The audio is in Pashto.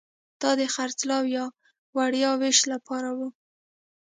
دا د خرڅلاو یا وړیا وېش لپاره وو